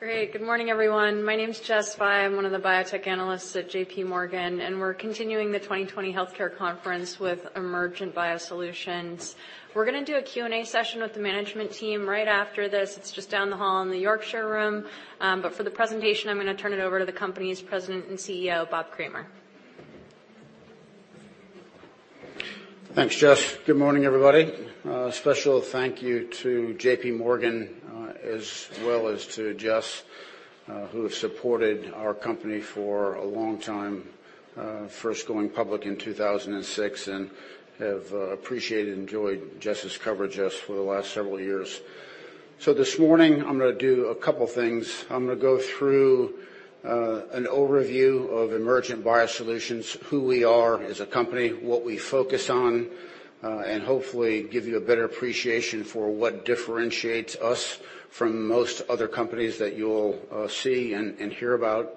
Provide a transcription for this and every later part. Great. Good morning, everyone. My name's Jess Fye. I'm one of the biotech analysts at JPMorgan, we're continuing the 2020 Healthcare Conference with Emergent BioSolutions. We're going to do a Q&A session with the management team right after this. It's just down the hall in the Yorkshire Room. For the presentation, I'm going to turn it over to the company's President and CEO, Bob Kramer. Thanks, Jess. Good morning, everybody. A special thank you to JPMorgan, as well as to Jess, who have supported our company for a long time, first going public in 2006, and have appreciated and enjoyed Jess's coverage us for the last several years. This morning, I'm going to do a couple things. I'm going to go through an overview of Emergent BioSolutions, who we are as a company, what we focus on, and hopefully give you a better appreciation for what differentiates us from most other companies that you'll see and hear about.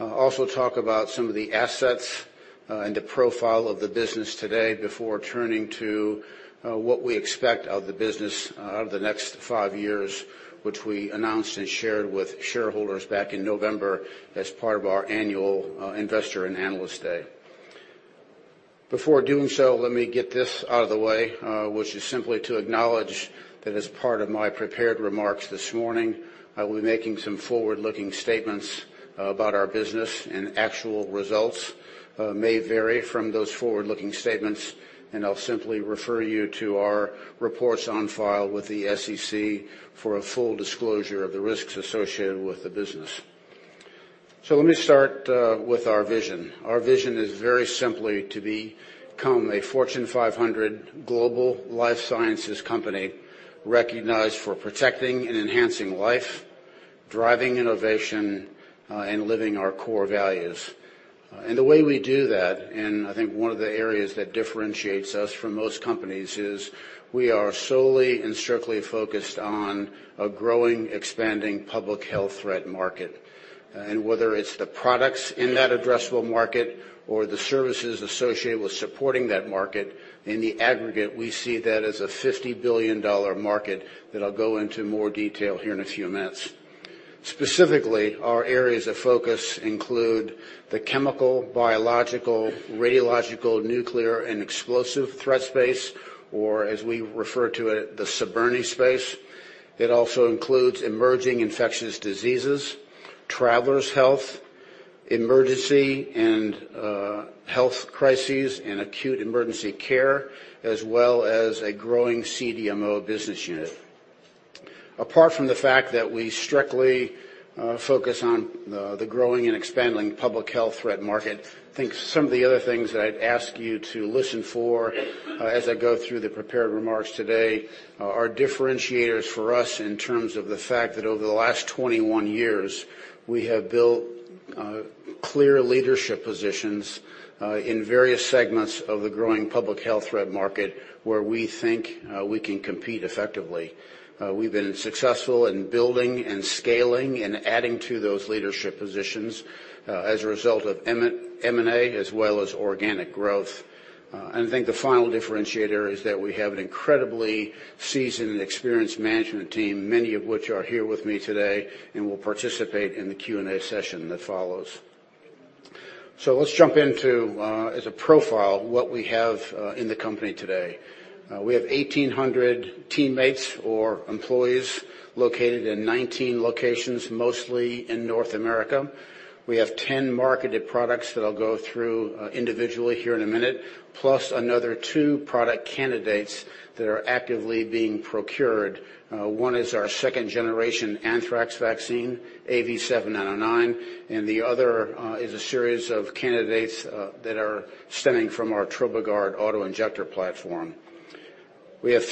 Also talk about some of the assets and the profile of the business today before turning to what we expect of the business out of the next five years, which we announced and shared with shareholders back in November as part of our annual investor and analyst day. Before doing so, let me get this out of the way, which is simply to acknowledge that as part of my prepared remarks this morning, I will be making some forward-looking statements about our business. Actual results may vary from those forward-looking statements. I'll simply refer you to our reports on file with the SEC for a full disclosure of the risks associated with the business. Let me start with our vision. Our vision is very simply to become a Fortune 500 global life sciences company recognized for protecting and enhancing life, driving innovation, and living our core values. The way we do that, I think one of the areas that differentiates us from most companies, is we are solely and strictly focused on a growing, expanding public health threat market. Whether it's the products in that addressable market or the services associated with supporting that market, in the aggregate, we see that as a $50 billion market that I'll go into more detail here in a few minutes. Specifically, our areas of focus include the chemical, biological, radiological, nuclear, and explosive threat space, or as we refer to it, the CBRNE space. It also includes emerging infectious diseases, travelers health, emergency and health crises, and acute emergency care, as well as a growing CDMO business unit. Apart from the fact that we strictly focus on the growing and expanding public health threat market, I think some of the other things that I'd ask you to listen for as I go through the prepared remarks today are differentiators for us in terms of the fact that over the last 21 years, we have built clear leadership positions in various segments of the growing public health threat market, where we think we can compete effectively. We've been successful in building and scaling and adding to those leadership positions as a result of M&A, as well as organic growth. I think the final differentiator is that we have an incredibly seasoned and experienced management team, many of which are here with me today and will participate in the Q&A session that follows. Let's jump into, as a profile, what we have in the company today. We have 1,800 teammates or employees located in 19 locations, mostly in North America. We have 10 marketed products that I'll go through individually here in a minute, plus another two product candidates that are actively being procured. One is our second-generation anthrax vaccine, AV7909, and the other is a series of candidates that are stemming from our Trobigard auto-injector platform. We have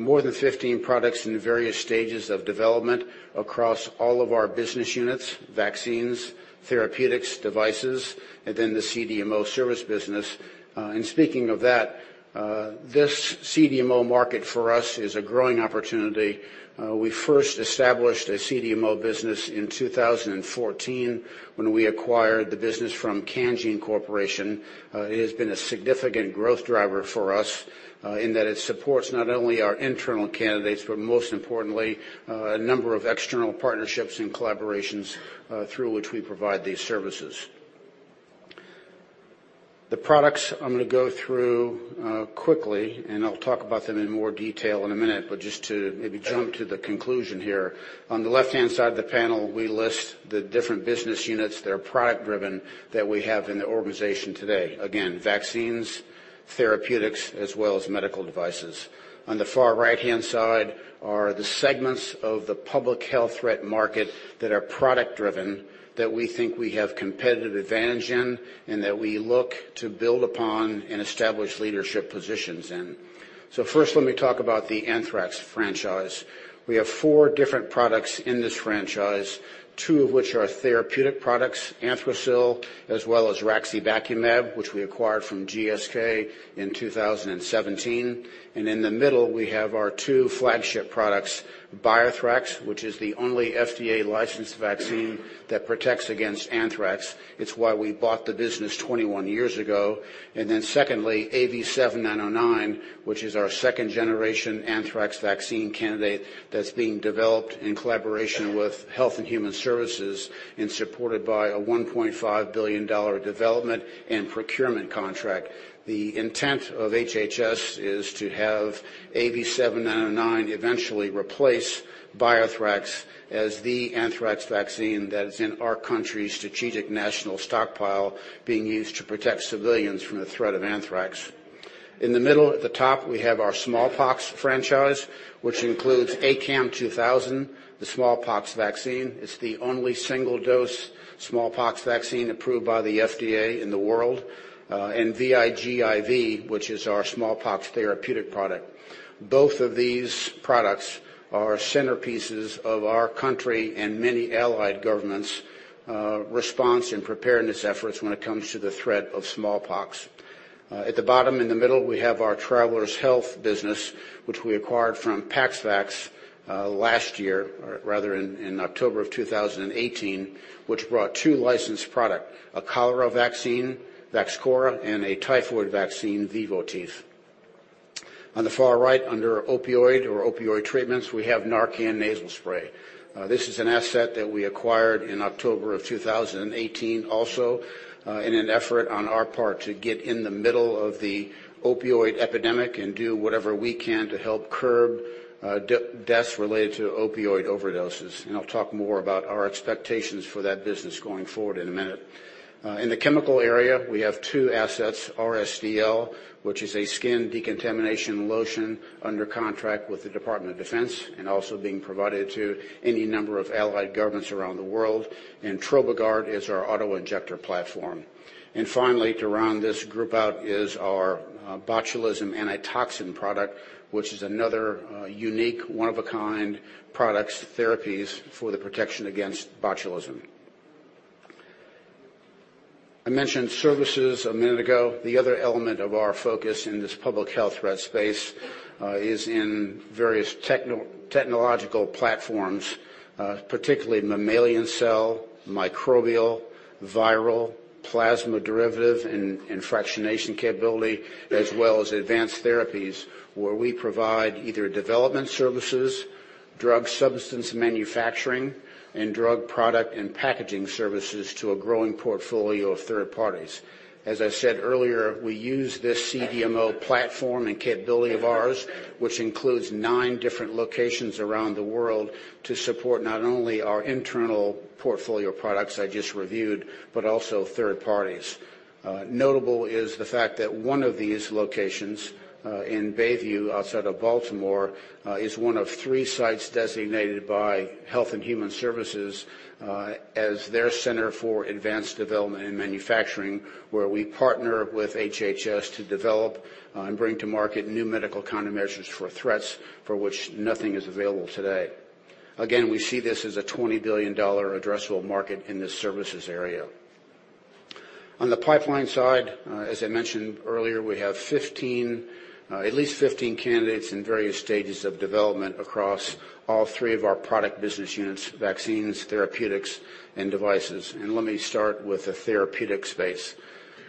more than 15 products in various stages of development across all of our business units, vaccines, therapeutics, devices, and then the CDMO service business. Speaking of that, this CDMO market for us is a growing opportunity. We first established a CDMO business in 2014 when we acquired the business from Cangene Corporation. It has been a significant growth driver for us in that it supports not only our internal candidates, but most importantly, a number of external partnerships and collaborations through which we provide these services. The products I'm going to go through quickly, and I'll talk about them in more detail in a minute, but just to maybe jump to the conclusion here. On the left-hand side of the panel, we list the different business units that are product-driven that we have in the organization today. Again, vaccines, therapeutics, as well as medical devices. On the far right-hand side are the segments of the public health threat market that are product-driven that we think we have competitive advantage in, and that we look to build upon and establish leadership positions in. First, let me talk about the anthrax franchise. We have four different products in this franchise, two of which are therapeutic products, Anthrasil, as well as raxibacumab, which we acquired from GSK in 2017. In the middle, we have our two flagship products, BioThrax, which is the only FDA-licensed vaccine that protects against anthrax. It's why we bought the business 21 years ago. Secondly, AV7909, which is our second-generation anthrax vaccine candidate that's being developed in collaboration with Health and Human Services and supported by a $1.5 billion development and procurement contract. The intent of HHS is to have AV7909 eventually replace BioThrax as the anthrax vaccine that is in our country's Strategic National Stockpile being used to protect civilians from the threat of anthrax. In the middle at the top, we have our smallpox franchise, which includes ACAM2000, the smallpox vaccine. It's the only single-dose smallpox vaccine approved by the FDA in the world, and VIGIV, which is our smallpox therapeutic product. Both of these products are centerpieces of our country and many allied governments' response and preparedness efforts when it comes to the threat of smallpox. At the bottom in the middle, we have our travelers health business, which we acquired from PaxVax last year, rather in October of 2018, which brought two licensed product, a cholera vaccine, Vaxchora, and a typhoid vaccine, Vivotif. On the far right under opioid or opioid treatments, we have NARCAN Nasal Spray. This is an asset that we acquired in October of 2018 also, in an effort on our part to get in the middle of the opioid epidemic and do whatever we can to help curb deaths related to opioid overdoses. I'll talk more about our expectations for that business going forward in a minute. In the chemical area, we have two assets, RSDL, which is a skin decontamination lotion under contract with the Department of Defense and also being provided to any number of allied governments around the world, and Trobigard is our auto-injector platform. Finally, to round this group out is our botulism antitoxin product, which is another unique, one-of-a-kind products, therapies for the protection against botulism. I mentioned services a minute ago. The other element of our focus in this public health threat space is in various technological platforms, particularly mammalian cell, microbial, viral, plasma derivative, and fractionation capability, as well as advanced therapies where we provide either development services, drug substance manufacturing, and drug product and packaging services to a growing portfolio of third parties. As I said earlier, we use this CDMO platform and capability of ours, which includes nine different locations around the world, to support not only our internal portfolio products I just reviewed, but also third parties. Notable is the fact that one of these locations, in Bayview outside of Baltimore, is one of three sites designated by Department of Health and Human Services, as their center for advanced development and manufacturing, where we partner with HHS to develop and bring to market new medical countermeasures for threats for which nothing is available today. Again, we see this as a $20 billion addressable market in this services area. On the pipeline side, as I mentioned earlier, we have at least 15 candidates in various stages of development across all three of our product business units, vaccines, therapeutics, and devices. Let me start with the therapeutics space.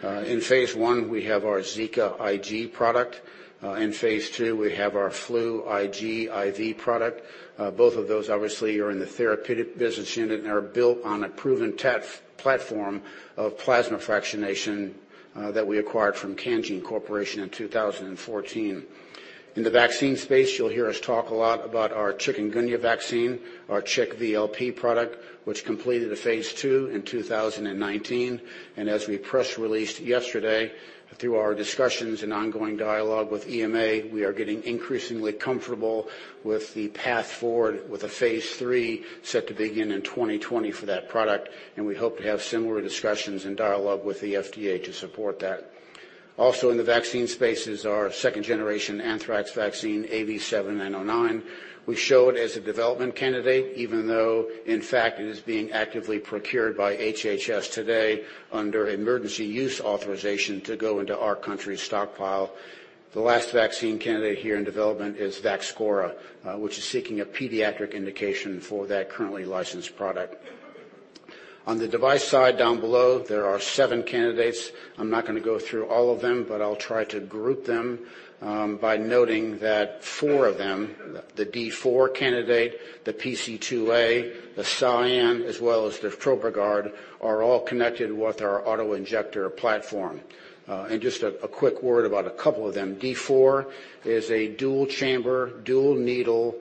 In phase I, we have our ZIKV-IG product. In phase II, we have our FLU-IGIV product. Both of those obviously are in the therapeutic business unit and are built on a proven platform of plasma fractionation that we acquired from Cangene Corporation in 2014. In the vaccine space, you'll hear us talk a lot about our chikungunya vaccine, our CHIKV VLP product, which completed a phase II in 2019. As we press released yesterday, through our discussions and ongoing dialogue with EMA, we are getting increasingly comfortable with the path forward with a phase III set to begin in 2020 for that product, and we hope to have similar discussions and dialogue with the FDA to support that. Also in the vaccine space is our second-generation anthrax vaccine, AV7909. We show it as a development candidate, even though, in fact, it is being actively procured by HHS today under Emergency Use Authorization to go into our country's stockpile. The last vaccine candidate here in development is Vaxchora, which is seeking a pediatric indication for that currently licensed product. On the device side, down below, there are seven candidates. I'm not going to go through all of them, but I'll try to group them by noting that four of them, the D4 candidate, the PC2A, the SIAN, as well as the Trobigard, are all connected with our auto-injector platform. Just a quick word about a couple of them. D4 is a dual-chamber, dual-needle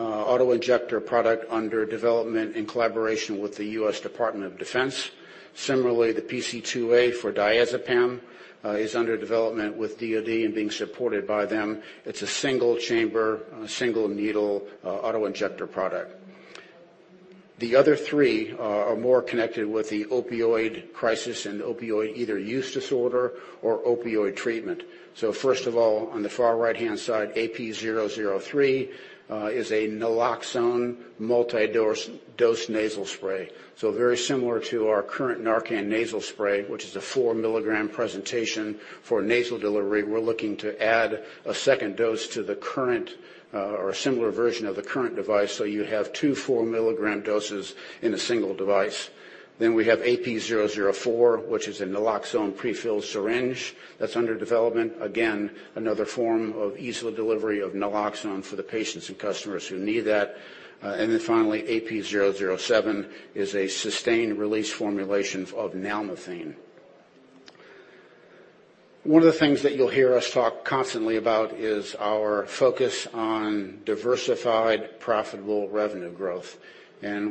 auto-injector product under development in collaboration with the U.S. Department of Defense. Similarly, the PC2A for diazepam is under development with DoD and being supported by them. It's a single-chamber, single-needle auto-injector product. The other three are more connected with the opioid crisis and opioid either use disorder or opioid treatment. First of all, on the far right-hand side, AP003 is a naloxone multi-dose nasal spray. Very similar to our current NARCAN Nasal Spray, which is a 4-milligram presentation for nasal delivery. We're looking to add a second dose to the current or a similar version of the current device so you have two 4-milligram doses in a single device. We have AP004, which is a naloxone prefilled syringe that's under development. Again, another form of easy delivery of naloxone for the patients and customers who need that. Finally, AP007 is a sustained-release formulation of nalmefene. One of the things that you'll hear us talk constantly about is our focus on diversified, profitable revenue growth.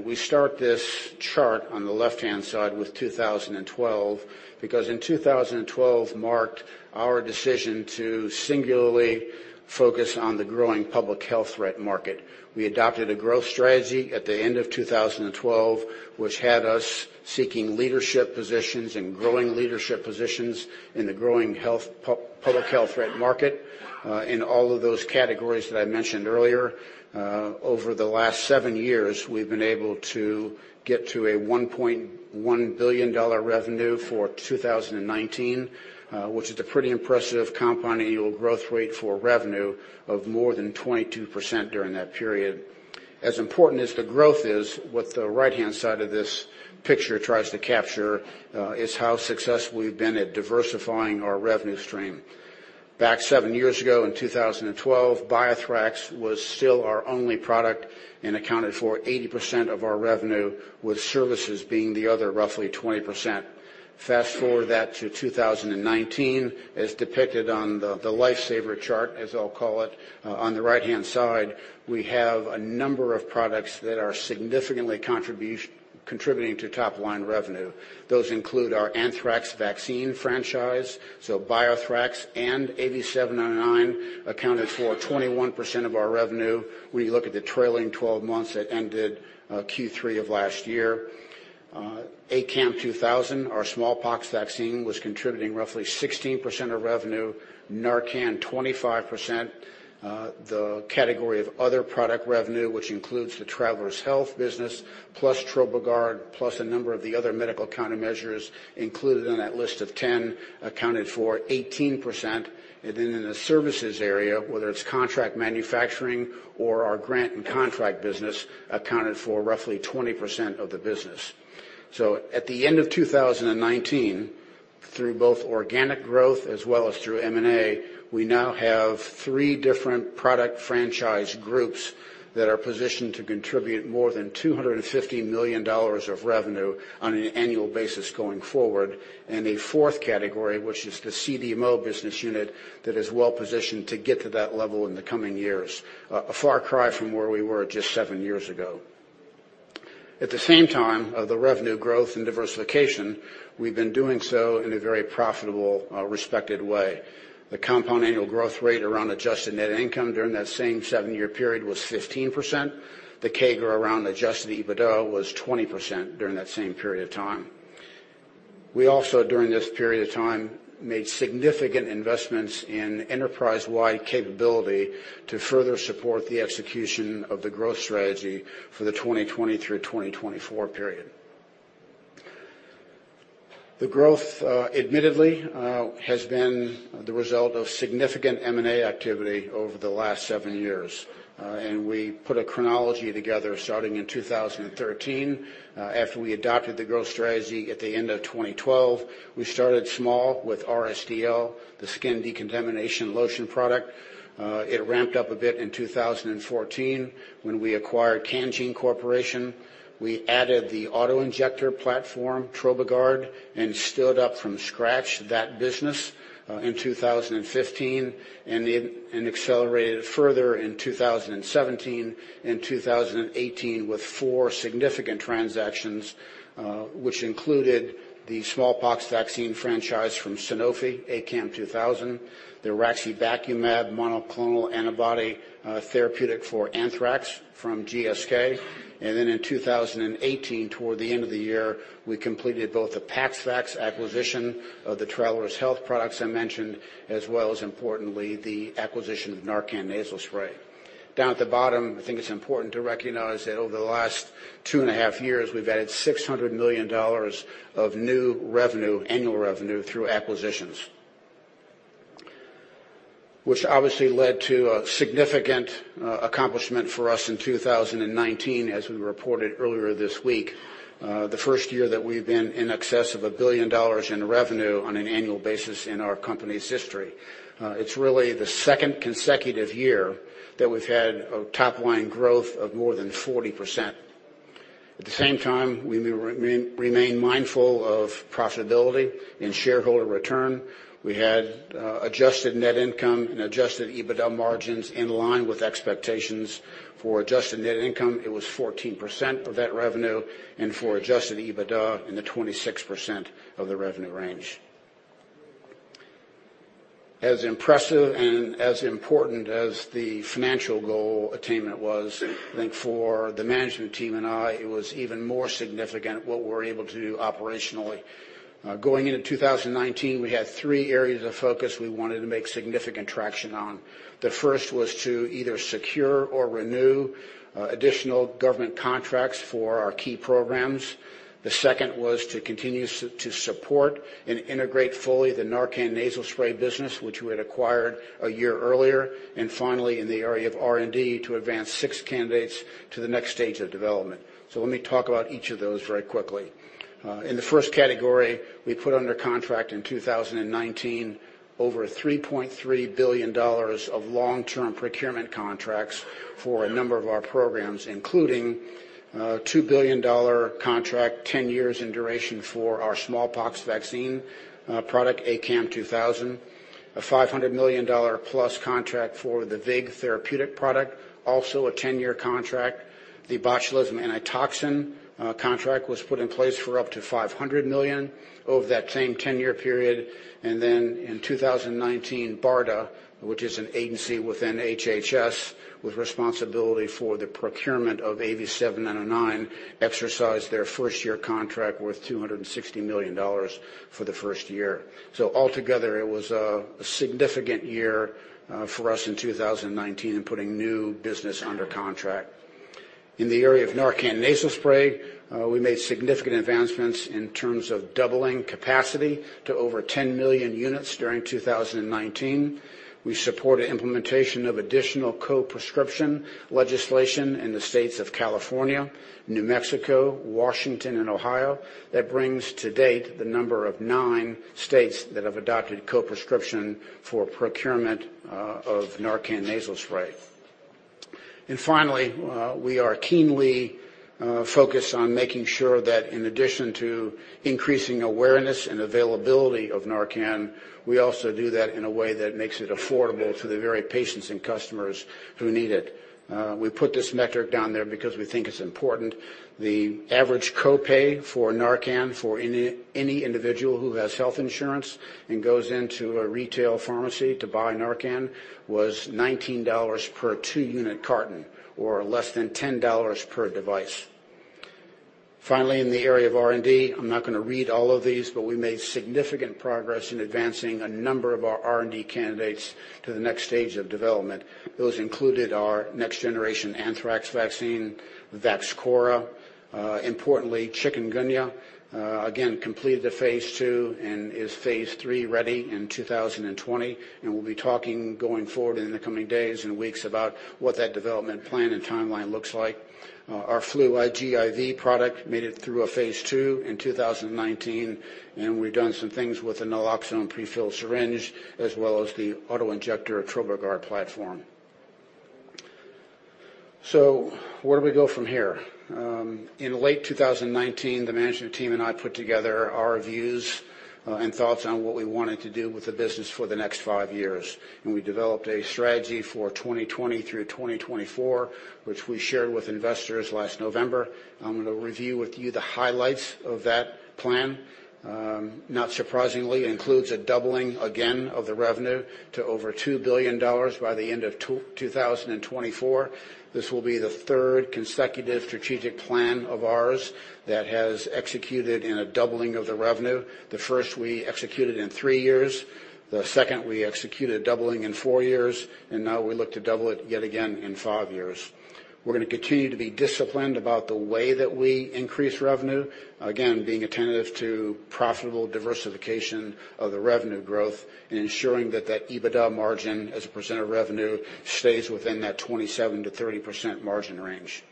We start this chart on the left-hand side with 2012, because in 2012 marked our decision to singularly focus on the growing public health threat market. We adopted a growth strategy at the end of 2012, which had us seeking leadership positions and growing leadership positions in the growing public health threat market, in all of those categories that I mentioned earlier. Over the last seven years, we've been able to get to a $1.1 billion revenue for 2019, which is a pretty impressive compound annual growth rate for revenue of more than 22% during that period. As important as the growth is, what the right-hand side of this picture tries to capture is how successful we've been at diversifying our revenue stream. Back seven years ago in 2012, BioThrax was still our only product and accounted for 80% of our revenue, with services being the other roughly 20%. Fast-forward that to 2019, as depicted on the lifesaver chart, as I'll call it, on the right-hand side, we have a number of products that are significantly contributing to top-line revenue. Those include our anthrax vaccine franchise. BioThrax and AV799 accounted for 21% of our revenue when you look at the trailing 12 months that ended Q3 of last year. ACAM2000, our smallpox vaccine, was contributing roughly 16% of revenue, NARCAN 25%. The category of other product revenue, which includes the travelers health business, plus Trobigard, plus a number of the other medical countermeasures included on that list of 10, accounted for 18%. In the services area, whether it's contract manufacturing or our grant and contract business, accounted for roughly 20% of the business. At the end of 2019, through both organic growth as well as through M&A, we now have three different product franchise groups that are positioned to contribute more than $250 million of revenue on an annual basis going forward. A fourth category, which is the CDMO business unit, that is well positioned to get to that level in the coming years. A far cry from where we were just seven years ago. At the same time of the revenue growth and diversification, we've been doing so in a very profitable, respected way. The compound annual growth rate around adjusted net income during that same seven-year period was 15%. The CAGR around adjusted EBITDA was 20% during that same period of time. We also, during this period of time, made significant investments in enterprise-wide capability to further support the execution of the growth strategy for the 2020 through 2024 period. The growth admittedly has been the result of significant M&A activity over the last seven years. We put a chronology together starting in 2013. After we adopted the growth strategy at the end of 2012, we started small with RSDL, the skin decontamination lotion product. It ramped up a bit in 2014 when we acquired Cangene Corporation. We added the auto-injector platform, Trobigard, and stood up from scratch that business in 2015, and accelerated it further in 2017 and 2018 with four significant transactions, which included the smallpox vaccine franchise from Sanofi, ACAM2000, the raxibacumab monoclonal antibody therapeutic for anthrax from GSK. In 2018, toward the end of the year, we completed both the PaxVax acquisition of the travelers health products I mentioned, as well as importantly, the acquisition of NARCAN Nasal Spray. Down at the bottom, I think it's important to recognize that over the last two and a half years, we've added $600 million of new annual revenue through acquisitions. Obviously led to a significant accomplishment for us in 2019, as we reported earlier this week. The first year that we've been in excess of a billion dollars in revenue on an annual basis in our company's history. It's really the second consecutive year that we've had a top-line growth of more than 40%. At the same time, we remain mindful of profitability and shareholder return. We had adjusted net income and adjusted EBITDA margins in line with expectations. For adjusted net income, it was 14% of that revenue, and for adjusted EBITDA, in the 26% of the revenue range. As impressive and as important as the financial goal attainment was, I think for the management team and I, it was even more significant what we were able to do operationally. Going into 2019, we had three areas of focus we wanted to make significant traction on. The first was to either secure or renew additional government contracts for our key programs. The second was to continue to support and integrate fully the NARCAN Nasal Spray business, which we had acquired a year earlier. Finally, in the area of R&D, to advance six candidates to the next stage of development. Let me talk about each of those very quickly. In the first category, we put under contract in 2019 over $3.3 billion of long-term procurement contracts for a number of our programs, including a $2 billion contract, 10 years in duration, for our smallpox vaccine product, ACAM2000. A $500 million-plus contract for the VIGIV therapeutic product, also a 10-year contract. The botulism antitoxin contract was put in place for up to $500 million over that same 10-year period. In 2019, BARDA, which is an agency within HHS with responsibility for the procurement of AV7909, exercised their first-year contract worth $260 million for the first year. Altogether, it was a significant year for us in 2019 in putting new business under contract. In the area of NARCAN Nasal Spray, we made significant advancements in terms of doubling capacity to over 10 million units during 2019. We support an implementation of additional co-prescription legislation in the states of California, New Mexico, Washington, and Ohio. That brings to date the number of 9 states that have adopted co-prescription for procurement of NARCAN Nasal Spray. Finally, we are keenly focused on making sure that in addition to increasing awareness and availability of NARCAN, we also do that in a way that makes it affordable to the very patients and customers who need it. We put this metric down there because we think it's important. The average copay for NARCAN for any individual who has health insurance and goes into a retail pharmacy to buy NARCAN was $19 per 2-unit carton or less than $10 per device. Finally, in the area of R&D, I'm not going to read all of these, we made significant progress in advancing a number of our R&D candidates to the next stage of development. Those included our next generation anthrax vaccine, Vaxchora, importantly, Chikungunya, again, completed the phase II and is phase III-ready in 2020, we'll be talking going forward in the coming days and weeks about what that development plan and timeline looks like. Our FLU-IGIV product made it through a phase II in 2019, we've done some things with the naloxone prefilled syringe as well as the auto-injector Trobigard platform. Where do we go from here? In late 2019, the management team and I put together our views and thoughts on what we wanted to do with the business for the next five years. We developed a strategy for 2020 through 2024, which we shared with investors last November. I'm going to review with you the highlights of that plan. Not surprisingly, it includes a doubling again of the revenue to over $2 billion by the end of 2024. This will be the third consecutive strategic plan of ours that has executed in a doubling of the revenue. The first we executed in three years. The second we executed a doubling in four years. Now we look to double it yet again in five years. We're going to continue to be disciplined about the way that we increase revenue, again, being attentive to profitable diversification of the revenue growth and ensuring that that EBITDA margin as a percent of revenue stays within that 27%-30% margin range.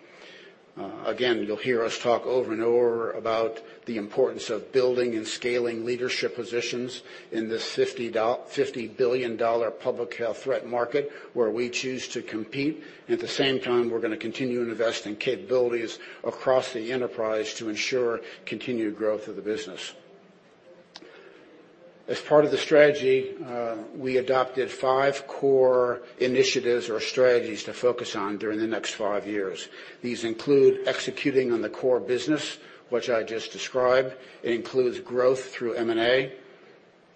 Again, you'll hear us talk over and over about the importance of building and scaling leadership positions in this $50 billion public health threat market where we choose to compete. At the same time, we're going to continue to invest in capabilities across the enterprise to ensure continued growth of the business. As part of the strategy, we adopted five core initiatives or strategies to focus on during the next five years. These include executing on the core business, which I just described. It includes growth through M&A.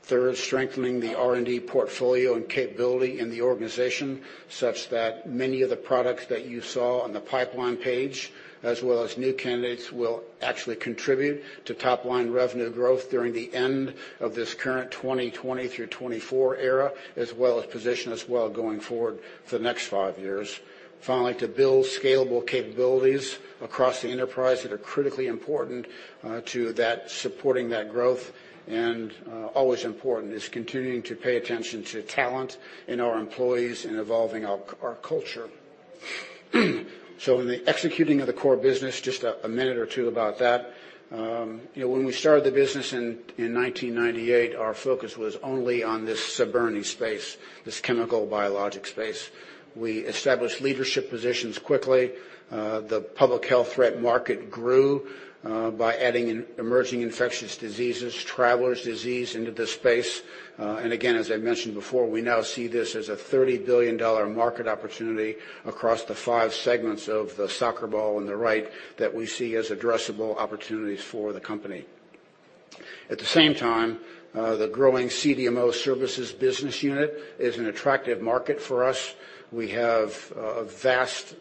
Third, strengthening the R&D portfolio and capability in the organization such that many of the products that you saw on the pipeline page as well as new candidates will actually contribute to top-line revenue growth during the end of this current 2020 through 2024 era, as well as position us well going forward for the next five years. Finally, to build scalable capabilities across the enterprise that are critically important to supporting that growth and always important is continuing to pay attention to talent in our employees and evolving our culture. In the executing of the core business, just a minute or two about that. When we started the business in 1998, our focus was only on this CBRNE space, this chemical biologic space. We established leadership positions quickly. The public health threat market grew by adding emerging infectious diseases, travelers disease into this space. Again, as I mentioned before, we now see this as a $30 billion market opportunity across the five segments of the soccer ball on the right that we see as addressable opportunities for the company. At the same time, the growing CDMO services business unit is an attractive market for us. We have a vast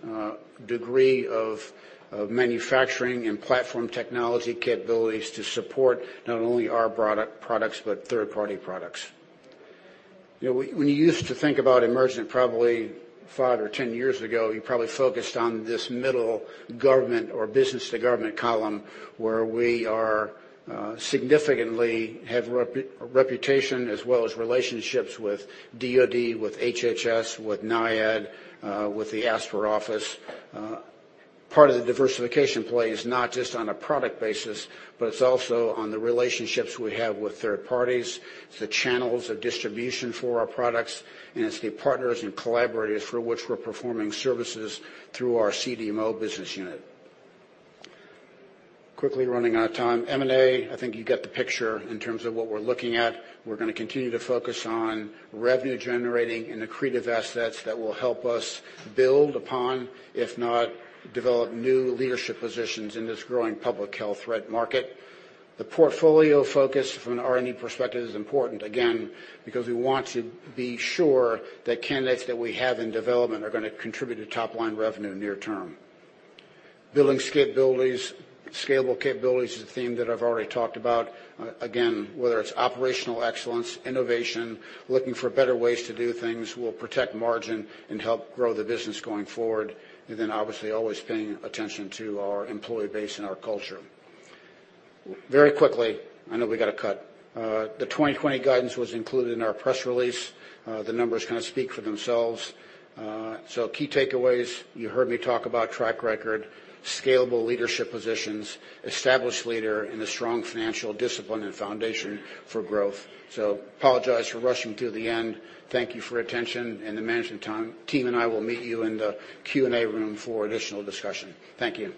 degree of manufacturing and platform technology capabilities to support not only our products but third-party products. When you used to think about Emergent probably five or 10 years ago, you probably focused on this middle government or business-to-government column where we significantly have reputation as well as relationships with DoD, with HHS, with NIAID, with the ASPR office. Part of the diversification play is not just on a product basis, but it's also on the relationships we have with third parties, the channels of distribution for our products, and it's the partners and collaborators through which we're performing services through our CDMO business unit. Quickly running out of time. M&A, I think you get the picture in terms of what we're looking at. We're going to continue to focus on revenue generating and accretive assets that will help us build upon, if not develop new leadership positions in this growing public health threat market. The portfolio focus from an R&D perspective is important, again, because we want to be sure that candidates that we have in development are going to contribute to top-line revenue near term. Building scalable capabilities is a theme that I've already talked about. Again, whether it's operational excellence, innovation, looking for better ways to do things will protect margin and help grow the business going forward. Obviously, always paying attention to our employee base and our culture. Very quickly, I know we got to cut. The 2020 guidance was included in our press release. The numbers kind of speak for themselves. Key takeaways, you heard me talk about track record, scalable leadership positions, established leader, and a strong financial discipline and foundation for growth. Apologize for rushing through the end. Thank you for your attention, and the management team and I will meet you in the Q&A room for additional discussion. Thank you.